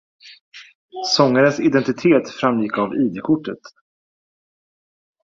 Sångarens identitet framgick av id-kortet